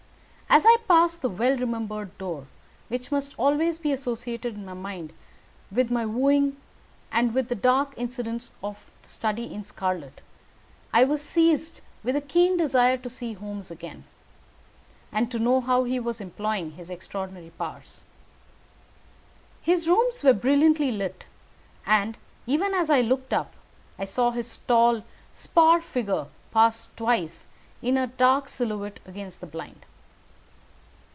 As I passed the well remembered door, which must always be associated in my mind with my wooing, and with the dark incidents of the Study in Scarlet, I was seized with a keen desire to see Holmes again, and to know how he was employing his extraordinary powers. His rooms were brilliantly lighted, and even as I looked up, I saw his tall, spare figure pass twice in a dark silhouette against the blind.